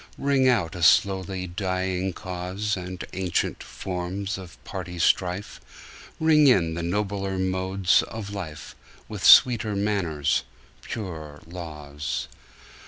Ring out a slowly dying cause, And ancient forms of party strife; Ring in the nobler modes of life, With sweeter manners, purer laws.